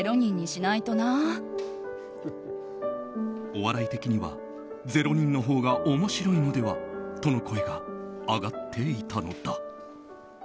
お笑い的には０人のほうが面白いのでは？との声が上がっていたのだ。